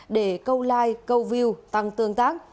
để câu like câu view tăng tương tác